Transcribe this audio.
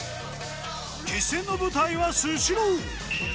決戦の舞台はスシロー。